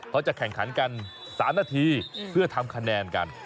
เขาจะแข่งขันกัน๓นาทีเพื่อทำคะแนนกัน